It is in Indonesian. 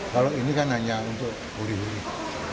kalau ini kan hanya untuk pulih pulih